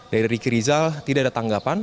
dari kirizal tidak ada tanggapan